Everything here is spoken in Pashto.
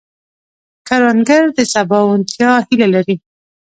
کروندګر د سباوونتیا هیله لري